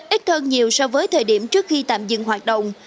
ít hơn nhiều so với thời điểm trước khi tạm dừng hoạt động